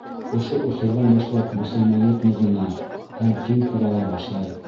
Ошо осорҙан башлап мосолманлыҡ нығына һәм киң тарала башлай.